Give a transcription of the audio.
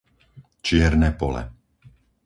Čierne Pole